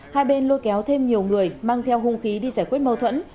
hai bên lôi kéo thêm nhiều người mang theo hung khí đi giải quyết mâu thuẫn